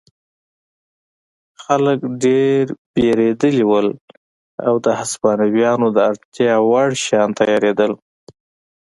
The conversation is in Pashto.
خلک ډېر وېرېدلي وو او د هسپانویانو د اړتیا وړ شیان تیارېدل.